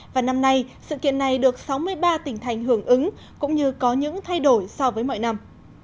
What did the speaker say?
và năm nay sự kiện này được sáu mươi ba tỉnh thành hưởng ứng cũng như có những thay đổi so với mọi năm